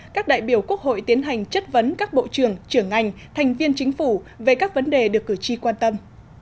các đại biểu quốc hội tiến hành chất vấn các bộ trưởng trưởng ngành thành viên chính phủ về các vấn đề được cử tri quan tâm